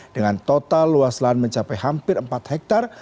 dengan total luas lahan mencapai hampir empat hektare